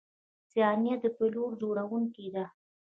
• ثانیه د پایلو جوړونکی ده.